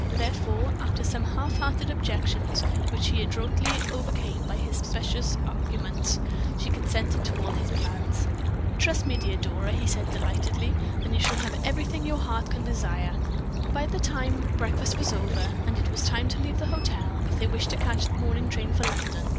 Therefore, after some half hearted objections, which he adroitly overcame by his specious arguments, she consented to all his plans. "Trust me, dear Dora," he said, delightedly, "and you shall have everything your heart can desire." By this time breakfast was over, and it was time to leave the hotel, if they wished to catch the morning train for London.